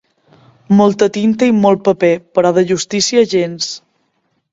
Molta tinta i molt paper, però de justícia gens.